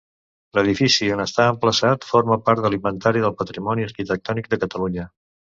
L'edifici on està emplaçat forma part de l'Inventari del Patrimoni Arquitectònic de Catalunya.